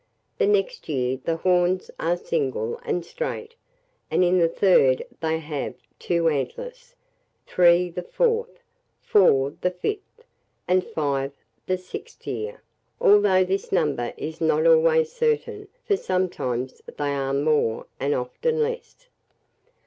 The next year, the horns are single and straight; and in the third they have two antlers, three the fourth, four the fifth, and five the sixth year; although this number is not always certain, for sometimes they are more, and often less.